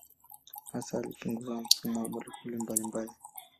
Hasa alichunguza mfumo wa molekuli mbalimbali.